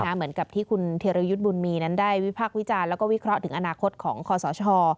เหมือนกับที่คุณธิรยุทธ์บุญมีนั้นได้วิพากษ์วิจารณ์แล้วก็วิเคราะห์ถึงอนาคตของคอสช